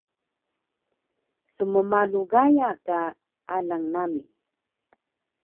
smmalu Gaya ka alang nami